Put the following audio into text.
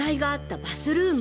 バスルーム？